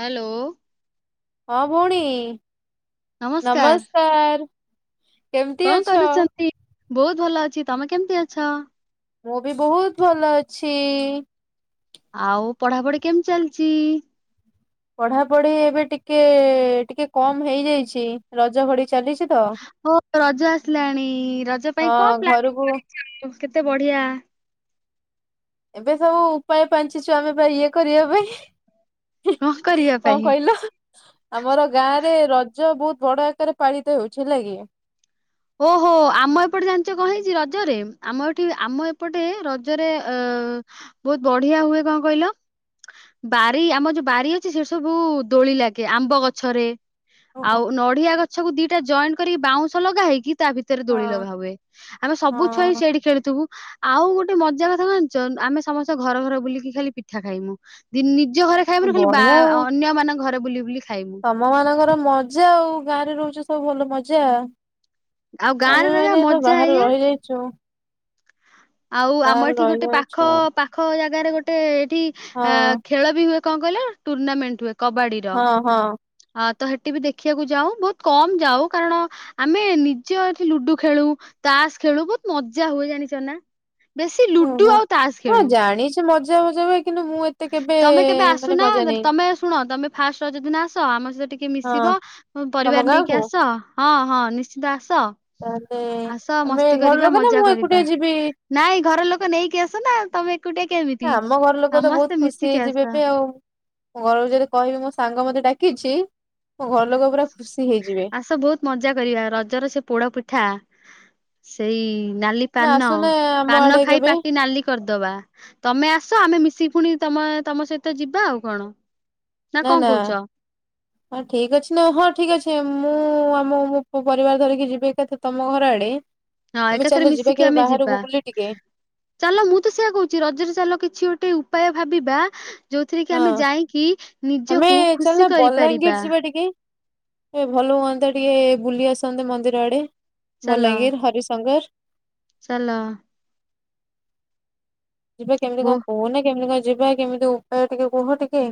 Hello ହଁ ଭଉଣୀ ନମସ୍କାର ନମସ୍କାର୍। କଣ କରୁଚନ୍ତି, ବହୁତ୍ ଭଲ ଅଛି ତମେ କେମତି ଅଛ? ମୁଁ ବି ବହୁତ୍ ଭଲ ଅଛି। ଆଉ ପଢାପଢି କେମିତି ଚାଲିଚି? ପଢାପଢି ଏବେ ଟିକେ ଟିକେ କମ ହେଇଯାଇଛି ରଜ ଘଡି ଚାଲିଛି ତ। ଓ ରଜ ଆସିଲାଣି ରଜ ପାଇଁ କଣ ହଁ ପ୍ଲାନି ଘରକୁ କରିଚ ଆଉ କେତେ ବଢିଆ? ଏବେ ସବୁ ଉପାୟ ପାଞ୍ଚିଚୁ ଆମେ ପା ଇଏ କରିବା ପାଇଁ। କଣ କରିବା କଣ ପାଇଁ କହିଲ? ଆମର ଗାଁ ରେ ରଜ ବହୁତ୍ ବଡ ଆକାରରେ ପାଳିତ ହେଉଛି ହେଲା କି। ଓହୋ ଆମ ଏପଟେ ଜାଣିଚ କଣ ହେଇଚି ରଜରେ ଆମ ଏଠି ଆମ ଏପଟେ ରଜରେ ଅ ବହୁତ୍ ବଢିଆ ହୁଏ କଣ କହିଲ ବାରି ଆମ ଯୋଉ ବାରି ଅଛି ସେଠି ସବୁ ଦୋଳି ଲାଗେ ଆମ୍ବ ଗଛରେ ଓହୋ ଆଉ ନଡିଆ ଗଛକୁ ଦିଟା ଜଏଣ୍ଟ କରିକି ବାଉଁଶ ଲଗା ହେଇକି ତା ଭିତରେ ଦୋଳି ହଁ ଲଗା ହୁଏ। ଆମେ ସବୁ ଛୁଆ ଯାଇ ହଁ ସେଇଠି ଖେଳୁଥିବୁ। ଆଉ ଗୋଟେ ମଜା କଥା କଁ ଜାନଚ ଆମେ ସମସ୍ତେ ଘର ଘର ବୁଲିକି ଖାଲି ପିଠା ଖାଇମୁ ଦି-ନିଜ ଘରେ ଖାଇବୁନୁ ଖାଲି ବା ବଢିଆ ଆଉ। ଅନ୍ୟ ମାନଙ୍କ ଘରେ ବୁଲି ବୁଲି ଖାଇବୁ। ତମ ମାନଙ୍କର ମଜା ଆଉ ଗାଁରେ ରହୁଚ ସବୁ ଭଲ ମଜା ଆଉ ଗାଁରେ ରହିବା ଆମେମାନେ ତ ମଜା ବାହାରେ ଏଇଆ। ରହିଯାଇଚୁ। ଆଉ ଆମ ଏଠି ଗୋଟେ ପାଖ ପା ପାଖ ଜାଗାରେ ଗୋଟେ ଏଇଠି ହଁ ଆ ଖେଳ ବି ହୁଏ କଣ କହିଲ ଟୁର୍ଣ୍ଣାମେଣ୍ଟ୍ ହୁଏ କବାଡି। ହଁ ହଁ। ଅଁ ତ ହେଠି ବି ତ ଦେଖିବାକୁ ଯାଉ ବହୁତୁ କମ୍ ଯାଉ କାରଣ। ଆମେ ନିଜ ଏଠି ଲୁଡୁ ଖେଳୁ, ତାସ ଖେଳୁ ବହୁତ ମଜା ହୁଏ ଜାଣିଛ ନା। ବେଶୀ ଲୁଡୁ ଆଉ ତାସ ଖେଳୁ। କିନ୍ତୁ ମଜା, ମଜା କିନ୍ତୁ ମୁଁ ଏ। ତମେ କେବେ ଆସୁନା ତମେ ଶୁଣ ତମେ ଫାଷ୍ଟେ ରଜ ଦିିନ ଆସ ଆମ ସହିତ ଟିକେ ହଁ ମିଶିବ। ମୋ ତମ ପରିବାର ଗାଁକୁ ନେଇକି ଆସ ହଁ, ହଁ ନିଶ୍ଚିତ ଆସ। ତାହେଲେ ଆସ ଆମେ ମସ୍ତି ଘର କରିବା ଲୋକ ନା ମଜା ମୁଁ କରିବା ଏକୁଟିଆ ଯିବି? ନାଇଁ ଘର ଲୋକ ନେଇକି ଆସ ନା ତମେ। କୁଟେ କେ ବି। ନା ଆମ ଘର ଲୋକ ତ ବହୁତ ଖୁସି ହେଇଯିବେ ବି ଆଉ। ମୁଁ ଘରୁକୁ ଯଦି କହିବି ମୋ ସାଙ୍ଗ ମତେ ଡାକିଛି ମୋ ଘର ଲୋକ। ପୁରା ଖୁସି ହେଇଯିବେ। ଆସ ବହୁତୁ। ମଜା କରିବା ରଜର ସେ ପୋଡ ପିଠା ସେଇ ନାଲି। ତମେ ପାନ, ଆସୁନା ଆମ ପାନ ଆଡେ ଖାଇ କେବେ ପାଟି ନାଲି। କରିଦବା ତମେ ଆସ ଆମେ ମିଶି ପୁଣି ତମେ ତମ ସହିତ ଯିବା ଆଉ କ'ଣ। ନା, କଣ ନା। କହୁଛ? ହଁ ଠିକ ଅଛି ନା ହଁ ଠିକ ଅଛି ମୁଁ ଆମୋ ପରିବାର ଧରିକି ଯିବି ଏକାଥରକେ ତମ ଘର ଆଡେ। ହଁ ଆମେ ଏକାଥରେ ଚାଲ ଯିବା ମିଶିକି କେବେ ଆମେ ଯିବା। ବାହାରକୁ ବୁଲି ଟିକେ। ଚାଲ ମୁଁ ତ ସେଇଆ କହୁଛି ରଜରେ ଚାଲ କିଛି ଗୋଟେ ଉପାୟ ଭାବିବା। ଯୋଉଥିରେ କି ହଁ। ଆମେ ଯାଇକି ନିଜକୁ ଖୁସି କରିପାରିବା। ସେ ଟିକେ। ଏ ଭଲ ହୁଅନ୍ତା ଟିକେ ବୁଲି ଆସନ୍ତେ ମନ୍ଦିର ଆଡେ ଚାଲ ବଲାଙ୍ଗିରି, ହରିଶଙ୍କର। ଚାଲ। ଯିବା କେମିତି ବୋ କ'ଣ କୁହନ କେମିତି କ'ଣ ଯିବା କେମିତି ଉପାୟ ଟିକେ କୁହ ଟିକେ।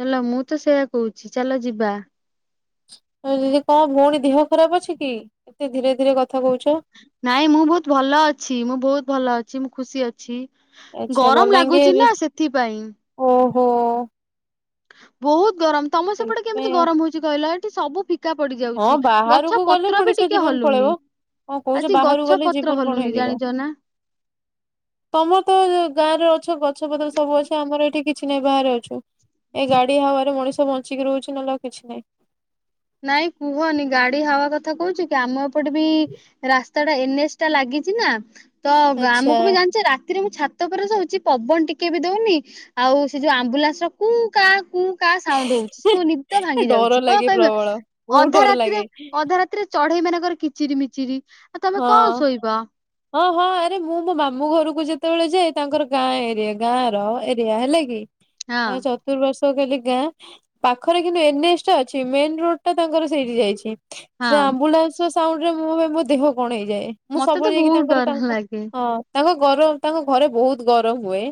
ଚାଲ ମୁଁ ତ ସେଇଆ କହୁଛି ଚାଲ ଯିବା। ଦିଦି କ'ଣ ଭଉଣୀ ଦେହ ଖରାପ ଅଛି କି ଏତେ ଧୀରେ ଧୀରେ କଥା କହୁଛ। ନାଇଁ ମୁଁ ବହୁତୁ ଭଲ ଅଛି ମୁଁ ବହୁତୁ ଭଲ ଅଛି ମୁଁ ଖୁସି ଅଛି। ଅଛି ଆଚ୍ଛା ଗରମ ଲାଗୁଛି ବଲାଙ୍ଗୀର ନା ସେଥିପାଇଁ। ଓହୋ। ବହୁତୁ ଗରମ ତମ ସେପଟେ ସେଇଥିପାଇଁ କେମିତି ଆଉ। ଗରମ ହଉଛି କହିଲ ଏଠି ସବୁ ଫି। ଫିକା ହଁ ପଡିଯାଉଛି ବାହାରକୁ ଗଛ, ଗଲେ ପତ୍ର ମଣିଷ ବି ଟିକେ ଜୀବନ ପଳେଇବ। ହଲୁନି। କଣ କହୁଛ ଆଜି ବାହାରୁ ଗଛ, ଗଲେ ଜୀବନ ପତ୍ର କଣ ହଲୁନି ହେଇଯିବ। ଜାଣିଛ ନା। ତମର ତ ଗାଁରେ ଅଛ ଗଛପତ୍ର ସବୁ ଅଛି ଆମର ଏଇଠି କିଛି। କିଛି ନାଇଁ ବାହାରେ ଅଛୁ ଏ ଗାଡି ହାୱାରେ ମଣିଷ ବଞ୍ଚିକି ରହୁଛି ନହଲେ ଆଉ କିଛି ନାଇଁ। ନାଇଁ କୁହନି ଗାଡି ହାୱା କଥା କହୁଛ କି ଆମ ଏପଟେ ବି ରାସ୍ତା। ତ ଏଟା ଏନ୍ ଏଚ୍ ଟା ଲାଗିଛି ନା ତ ଆଚ୍ଛା। ଆମକୁ ବି ଜାଣିଛି ରା। ରାତିରେ ମୁଁ ଛାତ ଉପରେ ଶୋଉଚି ପବନ ଟିକେ ବି ଦେଉନି ଆଉ ସେ ଯୋଉ ଆମ୍ବୁଲାନ୍ସର କୁଁ କା କୁଁ। କା ସାଉଣ୍ଡ ହଉଛି ସୁନିଦ ଭାଙ୍ଗି ଡର ଯାଉଛି କ'ଣ ଲାଗେ କହିବ ପ୍ରବଳ ବହୁତ ଅଧା ଡର ରାତିରେ ଲାଗେ ଅଧା ରାତି। ରାତିରେ ଚଢେଇ ମାନଙ୍କର କିଚିରି, ମିଚିରି। ଆଉ ତମେ ହଁ। କଣ ଶୋଇବ ହଁ, ହଁ ଆରେ ମୁଁ ମୋ ମାମୁଁ ଘରୁକୁ ଯେତେବେଳେ ଯାଏ ତାଙ୍କର ଗାଁ ଏରିଆ ଗାଁ ର ଏରିଆ ହେଲା କି। ହଁ ହ ଚ। ଚତୁପା ର୍ଶ୍ୱ ଖାଲି ଗାଁ ପାଖରେ କିନ୍ତୁ ଏନ୍ ଏଚ ଟା ଅଛି ମେନେ ରୋଡ ଟା ତାଙ୍କର ସେଇଠି ଯାଇଛି। ସେ ହଁ ଆମ୍ବୁଲାନ୍ସର ସାଉଣ୍ଡରେ ମୁଁ ବି ମୋ ଦେହ କ'ଣ ହେଇଯାଏ। ମୁଁ ମତେ ସବୁବେଳେ ତ ଯାଇକି ବହୁତ ତାଙ୍କର ଡର ତାଙ୍କ ଲାଗେ ହଁ। ତାଙ୍କ ଗରମ ତାଙ୍କ ଘରେ ବହୁତୁ ଗରମ ହୁଏ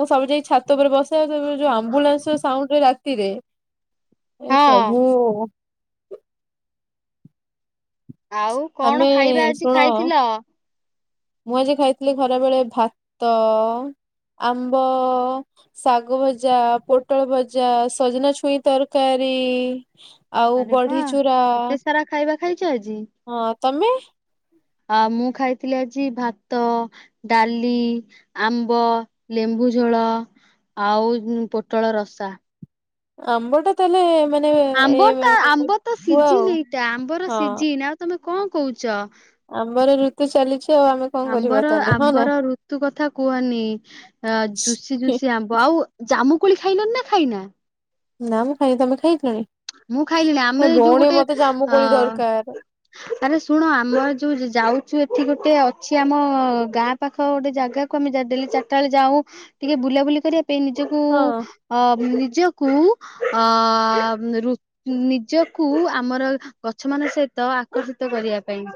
ମୁଁ ସବୁ ଯାଇ ଛାତ ଉପରେ ବସି। ସେ ସମୟରେ ଯୋଉ ଆମ୍ବୁଲାନ୍ସ ସାଉଣ୍ଡ ରାତିରେ ଏ ହଁ ପ୍ରଭୁ। ଆଉ କଣ ଆମେ ଖାଇବା ଆଜି ଶୁଣ ଖାଇଥିଲ। ମୁଁ ଆଜି ଖାଇଥିଲି ଖରା ବେଳେ ଭାତ ଆମ୍ବ। ଶାଗ ଭଜା ପୋଟଳ ଭଜା ସଜନା ଛୁଇଁ ତରକାରୀ। ଆଉ ଆରେ ବା ବଢି ଚୁରା ଏତେ ସାରା ଖାଇବା ଖାଇଛ ଆଜି ହଁ ତମେ ଆ ମୁଁ ଖାଇଥିଲି ଆଜି ଭାତ। ଡାଲି ଆମ୍ବ ଲେମ୍ବୁ ଝୋଳ। ଆଉ ପୋଟଳ ରସା। ଆମ୍ବ ଟା ତାହେଲେ ମାନେ ଏ ଆମ୍ବ ଟା ଆମ୍ବ ତ ହୁଏ ଆଉ ସିଜିିନ ଏଇଟା ଆମ୍ବର ହଁ ସିଜିନ୍ ଆଉ ତମେ କଣ କହୁଛ। ଆମ୍ବର ଋତୁ ଚାଲିଛି ଆଉ ଆମେ କଣ କରିବା ଆମ୍ବର ତାହେଲେ ହଁ ନା ଆମ୍ବର ଋତୁ କଥା କୁହନି ଆଁ ଜୁସି ଜୁସି କି ଆମ୍ୱ ଆଉ ଜାମୁକୋଳି ଖାଇଲନି ନା ଖାଇନା। ନା ମୁ ଖାଇନି ତମେ ଖାଇଲଣି। ମୁଁ ଖାଇଲିଣି ଆମେ ଏ ଯୋଉ ଭଉଣୀ ଗୋଟେ ମତେ ଜାମୁ ଅ କୋଳି ଦରକାର ଆରେ ଶୁଣ ଆମର ଯୋଉ ଯାଉଛୁ ଏଠି ଗୋଟେ ଅଛି ଆମ ଗାଁ ପାଖ ଗୋଟେ ଜାଗାକୁ ଆମେ ଯା ଡେଲି ଚାରିଟା ବେଳେ ଯାଉ ଟିକେ ବୁଲାବୁଲି କରିବା ପାଇଁ ନିଜକୁ ହଁ ଅ ନିଜକୁ ଅ ଋ ନିଜକୁ ଆମର ଗଛ ମାନଙ୍କ ସହିତ ଆକର୍ଷିତ କରିବା ପାଇଁ।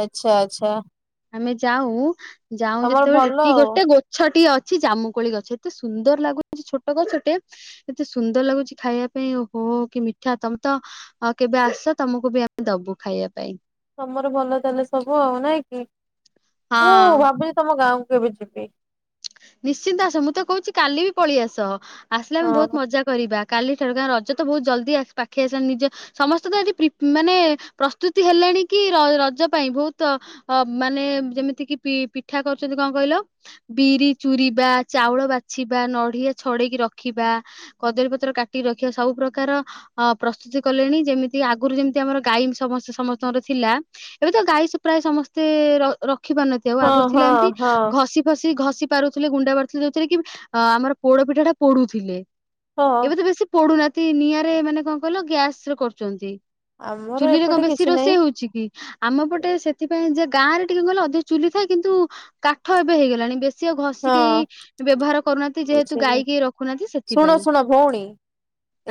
ଆଚ୍ଛା ଆଚ୍ଛା। ଆମେ ଯାଉଁ ଯାଉଁ ତମର ଯେତେବେଳେ ଭଲ ରୁଟି ଆଉ ଗୋଟେ ଗୋ ଛଟିଏ ଅଛି ଜାମୁକୋଳି ଗଛ ଏତେ ସୁନ୍ଦର ଲାଗୁଛି ଛୋଟ ଗଛଟେ। ଏତେ ସୁନ୍ଦର ଲାଗୁଛି ଖାଇବା ପାଇଁ ଓହୋ କି ମି କ୍ଷା ତମେ ତ କେବେ ଆସ ତମକୁ ବି ଆମେ ଦବୁ ଖାଇବା ପାଇଁ। ତମର ଭଲ ତାହେଲେ ସବୁ ଆଉ ନାଇଁ କି ମୁଁ ହଁ। ଭାବୁଛିି ତମ ଗାଁ କୁ କେବେ ଯିବି। ନିଶ୍ଚିନ୍ତ ଆସ ମୁଁ ତ କହୁଛି କାଲି ବି ପଳେଇ ଆସ ଆସିଲେ ଆମେ ବହୁତ୍ ହଁ ମଜା କରିବା କାଲି ଠାରୁ କା ରଜ ତ ବହୁତ୍ ଜଲଦି ଆ ପାଖେଇ ଆସିଲାଣି ନିଜ ସମସ୍ତେ ତ ଏଠି ପ୍ରି ମାନେ ପ୍ରସ୍ତୁତି ହେଲେଣି କି ର ରଜ ପାଇଁ ବହୁତ ଅ ମାନେ ଯେମିତିକି ପି ପିଠା କରୁଛନ୍ତି କଣ କହିଲ ବିରି ଚୁରିବା ଚାଉଳ ବାଛିବା ନଡିଆ ଛଡେଇକି ରଖିବା। କଦଳୀପତ୍ର କାଟିିକି ରଖିବା ସବୁ ପ୍ରକାର ଅ ପ୍ରସ୍ତୁତି କଲେଣି ଯେମିତି ଆଗରୁ ଯେମିତି ଆମର ଗାଈ ସମସ୍ତ ସମସ୍ତଙ୍କର ଥିଲା। ଏବେ ତ ଗାଈ ସେ ପ୍ରାୟ ସମସ୍ତେ ର ରଖି ପାରୁନହାନ୍ତି ଆଉ ହଁ ଆଗରୁ ଥିଲା ହଁ ଏମିତି ହଁ ଘଷି ଘସି ଘଷି ପାରୁଥିଲେ ଗୁଣ୍ଡା ବାରୁଥିଲେ ଯୋଉଥିରେ କି ଆମର ପୋଡ ପିଠା ଟା ପୋଡୁଥିଲେ। ହଁ। ଏବେ ତ ବେଶୀ ପଡୁନାହାନ୍ତି ନିଆଁରେ ମାନେ କଣ କହିଲ ଗ୍ୟାସ ରେ କରୁଛନ୍ତି। ଆମର ଚୁଲି ରେ କଣ ଏପଟେ ବେଶୀ କିଛି ନାହିଁ ରୋଷେଇ ହଉଚି କି। ଆମ ପଟେ ସେଥିପାଇଁ ଯେ ଗାଁ ରେ ଟିକେ ଗଲେ ଅଧିକ ଚୁଲି ଥାଏ କିନ୍ତୁ କାଠ ଏବେ ହେଇଗଲାଣି ବେ ସି ଏ ଘଷିକି ହଁ ବ୍ୟବହାର କରୁନାହାନ୍ତି ଯେହେତୁ ବୁଝିଲି ଗାଈକି ରଖୁନାହାନ୍ତି ଶୁଣ ସେଥିପାଇଁ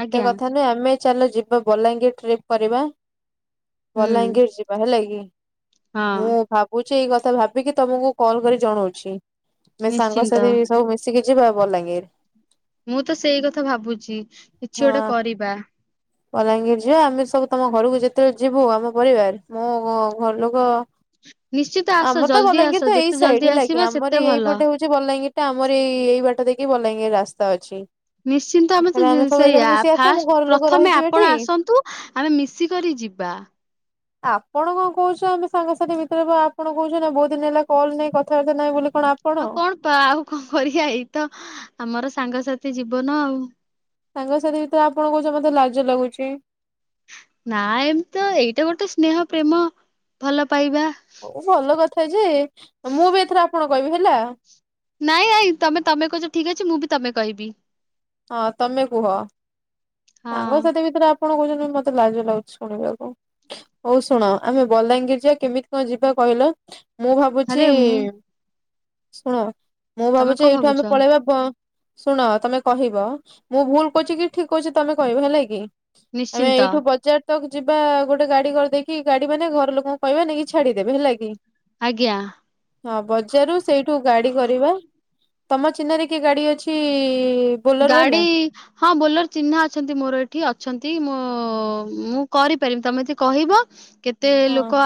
ଆଜ୍ଞା। ନାଇଁ ଆମେ ଚାଲ ଯିବା ବଲାଙ୍ଗୀର ଟ୍ରିପ୍ କରିବା ହୁଁ ବଲାଙ୍ଗୀର ଯି ବା ହେଲାକି। ହଁ। ଭାବୁଛି ଏଇ କଥା ଭାବିକି ତମକୁ କଲ୍ କରି ଜଣଉଛି ଆମେ ନିଶ୍ଚିନ୍ତ ସାଙ୍ଗସାଥି ହେଇ ସବୁ ମିଶି କି ଯିବା ବଲାଙ୍ଗିର। ମୁଁ ତ ସେଇ କଥା ଭାବୁଚି କିଛି ହଁ ଗୋଟେ କରିବା। ବଲାଙ୍ଗୀର ଯିବା ଆମେ ସବୁ ତମ ଘରକୁ ଯେତେବେଳେ ଯିବୁ ଆମ ପରିବାର ମୁ ମୋ ଘର ଲୋକ ନିଶ୍ଚିତ ଆସ ଆମର ତ ଜଲ୍ଦି ଆସ ବଲାଙ୍ଗୀର ତ ଯେତେ ଏଇ ଜଲ୍ଦି ସାଇଡ ହେଲା ଆସିବ କି ସେତେ ଆମର ଏଇ ଭଲ। ଏଇପଟେ ହଉଚି ଯେ ବଲାଙ୍ଗୀର ଟା ଆମର ଏଇ ଏଇ ବାଟ ଦେଇକି ବଲାଙ୍ଗୀର ରାସ୍ତା ଅଛି। ନିଶ୍ଚିନ୍ତ ଆମେ ତ ଏକାଥରେ ସବୁ ଏକାଥରେ ସେଇୟଆ ମିଶି ଆସିବା ଆମ ଘର ଫାଷ୍ଟ ଲୋକ ପ୍ରଥମେ ରହିଯିବେ ଏଠି। ଆପଣ ଆସନ୍ତୁ। ଆମେ ମିଶିକରି ଯିବା। ଆପଣ କଣ କହୁଛ ଆମେ ସାଙ୍ଗସାଥି ଭିତରେ ଆପଣ କହୁଛ ନା ବହୁତ ଦିନ ହେଲା କଲ ନାହିଁ କଥାବାର୍ତ୍ତା ନାହିଁ ବୋଲି କଣ ଆ ଆଉ କଣ ପା ଆଉ କଣ କରିବା ଏଇ ତ ଆମର ସାଙ୍ଗସାଥି ଜୀବନ ଆଉ। ସାଙ୍ଗ ସାଥି ଭିତରେ ଆପଣ କଉଚ ମୋତେ ଲାଜ ଲାଗୁଚି। ନା ଏମିତି ତ ଏଇଟା ଗୋଟେ ସ୍ନେହ ପ୍ରେମ ଭଲ ପାଇବା। ଭଲ କଥା ଯେ ମୁଁ ବି ଏଥର ଆପଣ କହିବି ହେଲା। ନାଇଁ ନାଇଁ ତମେ ତମେ କହୁଚ ଠିକ୍ ଅଛି ମୁଁ ବି ତମେ କହିବି। ହଁ ତମେ କୁହ ହଁ ସାଙ୍ଗସାଥି ଭିତରେ ଆ ଆପଣ କହୁଛନ୍ତି ମତେ ଲାଜ ଲାଗୁଛି ଶୁଣିବାକୁ। ହଉ ଶୁଣ ଆମେ ବଲାଙ୍ଗିର ଯିବା କେମିତି କଣ ଯିବା କହିଲ? ମୁଁ ଭାବୁଛି ଆରେ ମୁଁ ଶୁଣ ମୁଁ ତମେ ଭାବୁଛି କଣ ଏଇଠୁ ଭାବୁଛ ଆମେ ପଳେଇବା ବ ଶୁଣ ତମେ କହିବ ମୁଁ ଭୁଲ କହୁଛି କି ଠିକ୍ କହୁଚି ତମେ କହିବ ହେଲା କି। ଆମେ ନିଶ୍ଚିନ୍ତ ଏଇଠୁ ବଜାର ତକ ଯିବା ଗୋଟେ ଗାଡି କରିଦେଇକି ଗାଡି ମାନେ ଘର ଲୋକଙ୍କୁ କହିବା ନେଇକି ଛାଡିଦେବେ ହେଲା କି। ଆଜ୍ଞା। ହଁ ବଜାରରୁ ସେଇଠୁ ଗାଡି କରିବା। ତମ ଚିହ୍ନାରେ କିଏ ଗାଡି ଅଛି? ବୋଲର ଗାଡି ବାଲା? ହଁ ବୋଲେର ଚିହ୍ନା ଅଛନ୍ତି ମୋର ଏଠି ଅଛନ୍ତି ମେ ମୁଁ କରିପାରିବି ତମେ ଯଦି କହିବ। କେତେ ହଁ ଲୋକ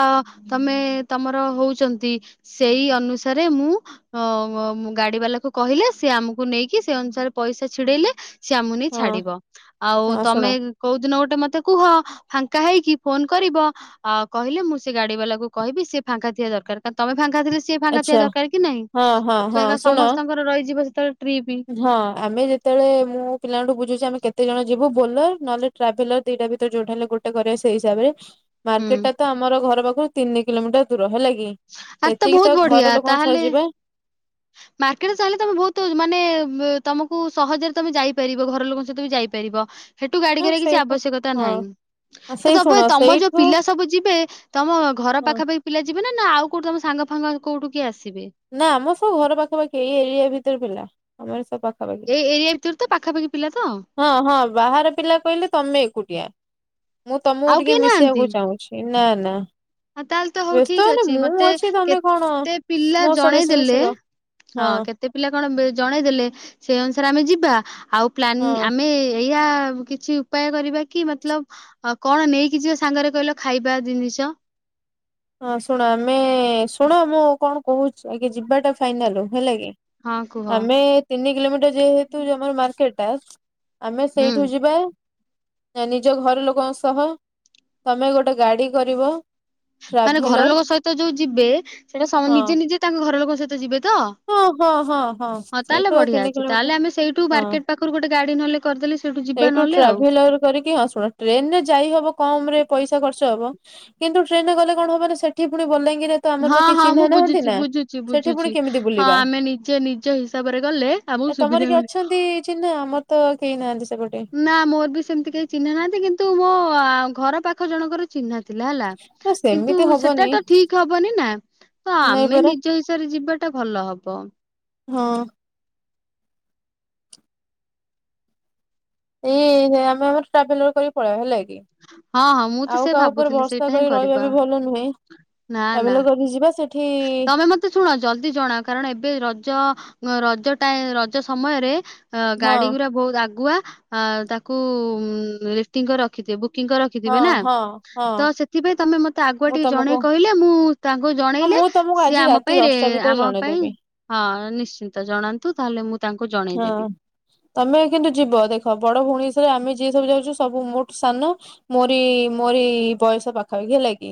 ତମେ ତମର ହଉଚନ୍ତି? ସେଇ ଅନୁସାରେ ମୁଁ ଅ ଗାଡି ବାଲାକୁ କହିଲେ ସେ ଆମକୁ ନେଇକି ସେଇ ଅନୁସାରେ ପଇସା ଛିଡେଇଲେ ସିଏ ଆମକୁ ନେଇ ହଁ ଛାଡିବ ଆଉ ହଁ ତମେ ଶୁଣ କୋଉ ଦିନ ଗୋଟେ ମତେ କୁହ ଫାଙ୍କା ହେଇକି ଫୋନ କରିବ? ଆ କହିଲେ ମୁଁ ସେ ଗାଡି ବାଲାକୁ କହିବି ସେ ଫାଙ୍କା ଥିବା ଦରକାର ତା ତମେ ଫାଙ୍କା ଥିଲେ ସିନା। ସିଏ ଫାଙ୍ଗା ଥିବା ଆଚ୍ଛା ଦରକାର କି ନାଇଁ ହଁ ହଁ ହଁ ସେଥିପାଇଁକା ଶୁଣ ସମସ୍ତଙ୍କର ରହିଯିବ ସେତେବେଳେ ଟ୍ରିପି। ହଁ ଆମେ ଯେତେବେଳେ ମୁଁ ପିଲାଙ୍କ ଠୁ ବୁଝୁଛି ଆମେ କେତେ ଜଣ ଯିବୁ ବୋଲର ନ ହେଲେ ଟ୍ରାଭେଲର ଦିଟା ଭିତରେ ଯୋଟା ହେଲେ ଗୋଟେ କରିବା ସେଇ ହିସାବରେ। ହୁଁ। ମାର୍କେଟ ଟା ତ ଆମର ଘର ପାଖରୁ ତିନି କିଲୋମିଟର ଦୂର ହେଲା କି। ଆରେ ସେତିକି ବହୁତ ତ ଘର ଲୋକଙ୍କ ସହ ଯିବା। ମାର୍କେଟରେ ଚାହିଲେ ତମେ ବହୁତୁ ମାନେ ବୁ ତମକୁ ସହଜରେ ତମେ ଯାଇପାରିବ ଘର ଲୋକଙ୍କ ସହିତ ବି ଯାଇପାରିବ। ସେଠୁ ଗାଡି ହଁ କରିବା କିଛି ସେଇତ ଆବଶ୍ୟକତା ହଁ ନାହିଁ। ତା ସେଇ ତାପରେ ଶୁଣ ତମର ଯୋଉ ସେଇଠୁ ପିଲା ସବୁ ଯିବେ ତମ ଘର ହଁ ପାଖା ପାଖି ପିଲା ଯିବେ ନା ନା ଆଉ କୋଉଠି ତମ ସାଙ୍ଗ ଫାଙ୍ଗ କୋଉଠୁ କିଏ ଆସିବେ। ନା ଆମର ସବୁ ଘର ପାଖାପାଖି ଏଇ ଏରିଆ ଭିତରେ ପିଲା ଆମର ସବୁ। ପାଖାପାଖି ଏଇ ଏରିଆ ଭିତରେ ତ ପାଖାପାଖି ପିଲା ତ।। ହଁ ହଁ ବାହାର ପିଲା କହିଲେ ତମେ ଏକୁଟିଆ ମୁଁ ତମକୁ ଆଉ ଟିକେ କେହି ମିଶିବାକୁ ଚାହୁଁଛି? ଏ ନା ନା। ହଁ ତାହେଲେ ତ ହଉ ବ୍ୟସ୍ତ ଠିକ ହନି ଅଛି ମୁଁ ମତେ ଅଛି ତମେ କଣ କେତେ ପିଲା ମୋ ସହ ଜଣେଇ ବେଶୀ ଦେଲେ ମିଶିବ ହଁ କେ ଏତେ ପିଲା କଣ ଜଣେ ଦେଲେ ସେ ଅନୁସାରେ ଆମେ ଯିବା। ଆଉ ହଁ। ପ୍ଲାନ ଆମେ ଏଇଆ କିଛି ଉପାୟ କରିବା କି ମତଲବ କଣ ନେଇକି ଯିବା ସାଙ୍ଗରେ କହିଲ ଖାଇବା ଜିନିଷ? ହଁ ଶୁଣ ଆମେ ଶୁଣ ମୁଁ କଣ କହୁଛି ଆଗେ ଯିବାଟା ଫାଇନାଲ ହେଲା କି। ହଁ କୁହ ଆମେ ତିନି କିଲୋମିଟର ଯେହେତୁ ଜମାରୁ ମାର୍କେଟ ଟା ଆମେ ହୁଁ ସେଇଠୁ ଯିବା ନା ନିଜ ଘର ଲୋକଙ୍କ ସହ ତମେ ଗୋଟେ ଗାଡ଼ି କରିବ। ମାନେ ଘର ଟ୍ରାଭେଲର ଲୋକ ସହିତ ଯୋଉ ଯିବେ ସେଇଟା ସ ହଁ ନିଜେ ନିଜେ ତାଙ୍କ ଘର ଲୋକ ସହିତ ଯିବେ ତ। ହଁ ହଁ ହଁ ହଁ ତାହେଲେ ସେଇଠୁ ବଢ଼ିଆ ତିନି ଅଛି। କିଲୋମିଟର ତାହାଲେ ଆମେ ସେଇଠୁ ବାର୍କେଟ୍ ପାଖରୁ ଗୋଟେ ଗାଡ଼ି ନହେଲେ କରିଦେଲେ ସେଇଠୁ ଯିବା ଏଇଠୁ ନହେଲେ ଆଉ ଟ୍ରାଭେଲର କରିକି ହଁ ଶୁଣ ଟ୍ରେନ ରେ ଯାଇ ହବ କମ ରେ ପଇସା ଖର୍ଚ୍ଚ ହବ। କିନ୍ତୁ ଟ୍ରେନରେ ଗଲେ କଣ ହବ ନା ସେଠି ପୁଣି ବଲାଙ୍ଗୀରିରେ ହଁ ହଁ ମୁଁ ବୁଜୁଛି ବୁଜୁଛି ସେଠି ପୁଣି ବୁଝୁଛି କେମିତି ହଁ ବୁଲିବା ଆମେ ନିଜେ ନିଜ ହିସାବରେ ଗଲେ ଆମକୁ ସୁବିଧା ତମର କିଏ ମିଳିବ ଅଛନ୍ତି ଚିହ୍ନା? ଆମର ତ କେହିନାହାଁନ୍ତି ସେପଟେ। ନା ମୋର ବି ସେମିତି କେହି ଚିହ୍ନା ନାହାନ୍ତି। କିନ୍ତୁ ମୋ ଆ ଘର ପାଖ ଜଣଙ୍କର ଚିହ୍ନା ଥିଲା ହେଲା। ନା କିନ୍ତୁ ସେମିତି ହବନି ସେଟା ଟା ଠିକ ହବନି ନା। ତ ନାଇଁ ଆମେ ପରା ନିଜ ହିସରେ ଯିବାଟା ଭଲ ହବ। ହଁ ଏ ଆମେ ଆମର ଟ୍ରାଭେଲର କରିକି ପଳେଇବା ହେଲା କି। ହଁ ହଁ ମୁଁ ତ ଆଉ ସେ କାହା ଉପରେ ଭାବୁଥିଲି ଭରଷା ସେଇଟା ହିଁ କରିକି ରହିବା କରିବା ବି ଭଲ ନୁହେଁ। ଟ୍ରାଭେଲର କରିକି ଯିବା ସେ ନହେଲେ ଶୁଣ ଜଦି ଜଣା କାରଣ ଏବେ ରଜ ରଜ ଟାଇ ରଜ ସମୟରେ ଅ ହଁ ଗାଡି ଗୁଡା ବହୁତ ଆଗୁଆ ଅ ତାକୁ ଲିଟିଙ୍ଗି କରି ରଖିଥିବୁ। ଟିଙ୍କ ହଁ ରଖିଥିବେ ନା ହଁ ହଁ ତ ସେ କିବେ ତମେ ମତେ ଆଗୁଆ ମୁଁ ଟିକେ ଜଣେଇ ତମକୁ କହିଲେ ମୁଁ ତାଙ୍କୁ ହଁ ଜଣେଇଲେ ମୁଁ ତମକୁ ସିଏ ଆଜି ଆମ ରାତି ପାଇଁ ରେ ଦଶଟା ଭିତରେ ଆମ ପାଇଁ ଜଣେଇଦେବି ହଁ ନିଶ୍ଚିନ୍ତ ଜଣାନ୍ତୁ ତାହେଲେ ମୁଁ ତାଙ୍କୁ ଜଣେଇ ହଁ। ଦେବି। ତମେ କିନ୍ତୁ ଯିବ ଦେଖ ବଡ ଭଉଣୀ ହିସାବରେ ଆମେ ଯିଏ ସବୁ ଯାଉଛୁ ସବୁ ମୋଠୁ ସାନ ମୋରି ମୋରି ବୟସ ପାଖାପାଖି ହେଲା କି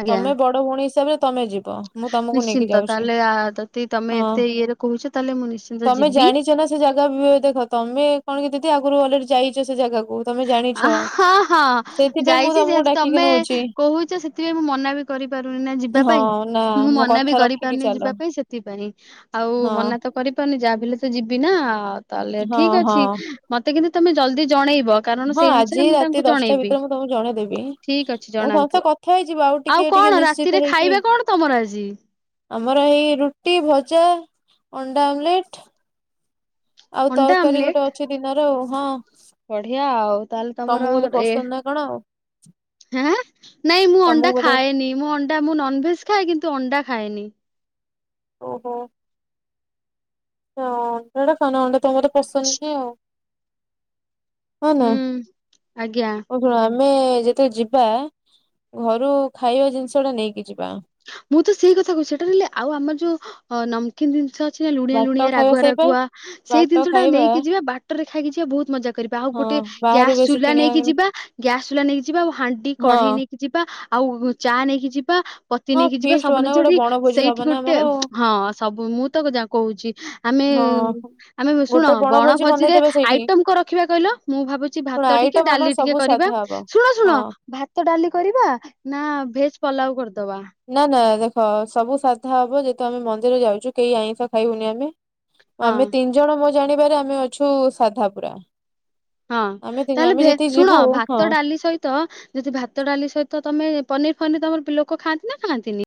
ଆଜ୍ଞା ତମେ ବଡ଼ ଭଉଣୀ ହିସାବରେ ତମେ ଯିବ। ମୁଁ ତମକୁ ନେଇକି ନିଶ୍ଚିନ୍ତ ଯାଉଛି ତାହେଲେ ଆ ଦଦି ତମେ ହଁ। ଏତେ ଇଏରେ କହୁଛ ତାହେଲେ ମୁଁ ନିଶ୍ଚିନ୍ତ ତମେ ଯିବି। ଜାଣିଛ ନା ସେ ଜାଗା ବି ଦେଖ ତମେ କଣ କି ଦିଦି ଆଗରୁ ଅଲରେଡି ଯାଇଛ ସେ ଜାଗାକୁ ତମେ ଜାଣିଛ। ଆହା ହା ହ ସେଇଥିପାଇଁ ମୁଁ ଯାଇଛି ସେ ତମକୁ ଡାକିକି ତମେ ନଉଛି କୋହୁଛ ସେଥିପାଇଁ ମୁଁ ମନା କ କରିପାରୁନି ନା ଯିବା ହଁ ପାଇଁ। ନା ମୁଁ ମୋ ମନା ବି କଥା ରଖିକି କରିପାରୁନି ଚାଲ। ଯିବା ପାଇଁ ସେଥିପାଇଁ ଆଉ ହଁ ମନା ତ କରିପାରୁନି ଯାହା ବଲେ ତ ଯିବି ନା ତାହାଲେ ହଁ ଠିକ ହଁ ଅଛି। ମତେ କିନ୍ତୁ ତମେ ଜଲଦି ଜଣେଇବ। କାରଣ ହଁ ସେଇ ଅନୁସାରେ ଆଜି ମୁଁ ରାତି ତାଙ୍କୁ ଦଶଟା ଜଣେଇବି ଭିତରେ ମୁଁ ତମକୁ ଜଣେଇଦେବି। ଠିକ ଅଛି ମୁଁ ସମସ୍ତେ ଜଣାନ୍ତୁ। କଥା ହେଇଯିବ ଆଉ ଟିକେ ଟିକେ କଣ ରାତିରେ ନିଶ୍ଚିତ ହେଇକି ଖାଇବା କଣ ତମର ଆଜି? ଆମର ଏଇ ରୁଟି, ଭଜା, ଅଣ୍ଡା ଆମ୍ବଲେଟ ଆଉ ଅଣ୍ଡା ତରକାରୀ ଗୋଟେ ଅଛି ଦିନର ଆଉ ହଁ ବଢ଼ିଆ ଆଉ। ତାହେଲେ ତମର ତମକୁ ବୋଧେ ଏଁ ପସନ୍ଦ ନା କଣ ଆଉ ହାଁ ନାଇଁ ମୁଁ ତମକୁ ଅଣ୍ଡା ବୋଧେ ଖାଏନି ମୁଁ ଅ ଣ୍ଡା ମୁଁ ନନଭେଜ ଖାଏ କିନ୍ତୁ ଅଣ୍ଡା ଖାଏନି। ହ ଅଣ୍ଡଟା ଖାନା ଅଣ୍ଡା ତମର ପସନ୍ଦ ନିଅ। ହୁଁ ଆଜ୍ଞା। ହଉ ଶୁଣ ଆମେ ଯେତେବେଳେ ଯିବା ଘରୁ ଖାଇବା ଜିନିଷ ଟା ନେଇକି ଯିବା। ମୁଁ ତ ସେଇ କଥା କହୁଛି ସେଟାହଲେ ଆଉ ଆମର ଯୋଉନମ୍ବ କି ଜିନିଷ ଅଛି ନା ଲୁଣିଆ ବାଟ ଲୁଣିଆ ଖାଇବା ରାଗୁଆ ସେଇପା ରାଗୁଆ ସେଇ ବାଟ ଜିନିଷ ଟା ଖାଇବା ନେଇକି ଯିବା ବାଟରେ ଖାଇକି ଯିବା ବହୁ ମଜା କର କରି ଆଉ ହଁ ଗୋଟେ ବାହାରୁ ଗ୍ୟାସ ବେଶୀ ଚୁଲା କିଣିବା ନେଇକି କିଣି ଯିବା ଗ୍ୟାସ ଚୁଲା ନେଇକି ଯିବା ଆଉ ହାଣ୍ଡି ହଁ କଢେଇ ନେଇକି ଯିବା ଆଉ ଚା ନେଇକି ଯିବା ପତି ହଁ ନେଇକି ଯିବା ଫିଷ୍ଟ ସବୁ ବନା ନେଇଛି ଗୋଟେ ସେଠି ବଣଭୋଜି ହବ ସେଇଠି ନା ଗୋଟେ ଆମର ଆଉ ହଁ ସବୁ ମୁଁ ତ ଯା କହୁଛି। ଆମେ ହଁ ଆମେ ଶୁଣ ଗୋଟେ ବଣ ବଣଭୋଜି ଭୋଜିରେ ବନେଇଦେବେ ସେଇଠି। ଆଇଟମ କଣ ରଖିବା କହିଲ? ମୁଁ ଭାବୁଛି ଶୁଣ ଭାତ ଟିକେ ଆଇଟମ ଆମର ଡାଲି ଟିକେ ସବୁ କରିବା ସାଧା ହବ ଶୁଣ ଶୁଣ ହଁ ଭାତ ଡାଲି କରିବା ନା ଭେଜ ପଲାଉ କରିଦବା? ନା ନା ଦେଖ ସବୁ ସାଧା ହବ ଯେହେତୁ ଆମେ ମନ୍ଦିର ଯାଉଛୁ କେହି ଆଇଁଷ ଖାଇବୁନି ଆମେ। ହଁ। ଆମେ ତିନି ଜଣ ମୋ ଜାଣିବାରେ ଆମେ ଅଛୁ ସାଧାପୁରା। ହଁ ତାହେଲେ ଭେ ଶୁଣ ହଁ ଭାତ ଡାଲି ସହି ତ ଯଦି ଭାତ ଡାଲି ସହିତ ତମେ ପନିର ଫନିର ତମର ଲୋକ ଖାଆନ୍ତି ନା ଖାଆନ୍ତିନି?